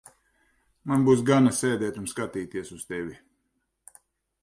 Man būs gana sēdēt un skatīties uz tevi.